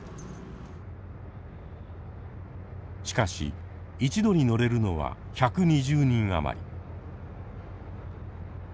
しかし一度に乗れるのは１２０人余り。